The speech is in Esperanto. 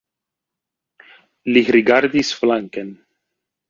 Li rigardis flanken.